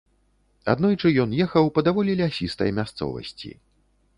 Аднойчы ён ехаў па даволі лясістай мясцовасці.